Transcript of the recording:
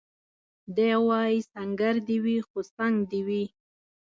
دی وايي سنګر دي وي خو څنګ دي وي